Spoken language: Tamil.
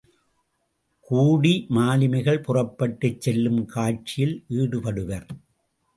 கூடி மாலுமிகள் புறப்பட்டுச் செல்லும் காட்சியில் ஈடுபடுவர்.